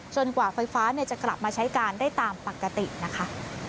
กว่าไฟฟ้าจะกลับมาใช้การได้ตามปกตินะคะ